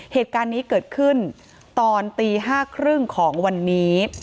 เหตุการณ์นี้เกิดขึ้นตอนตี๕๓๐ของวันนี้